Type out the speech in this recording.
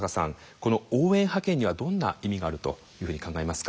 この応援派遣にはどんな意味があるというふうに考えますか？